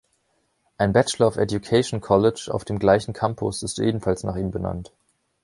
Ein Bachelor of Education College auf dem gleichen Campus ist ebenfalls nach ihm benannt.